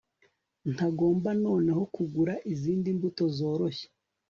Ntagomba noneho kugura izindi mbuto zoroshye